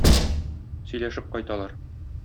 Сөйләшеп кайталар.